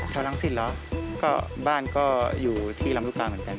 แถวล้างซีนเหรอก็บ้านก็อยู่ที่รำรุกาเหมือนกัน